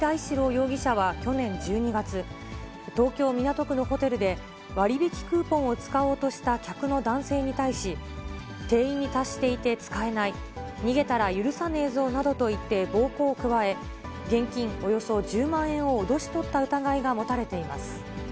容疑者は去年１２月、東京・港区のホテルで、割引クーポンを使おうとした客の男性に対し、定員に達していて使えない、逃げたら許さねぇぞなどと言って暴行を加え、現金およそ１０万円を脅し取った疑いが持たれています。